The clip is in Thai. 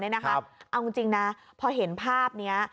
เอาจริงนะพอเห็นภาพนี้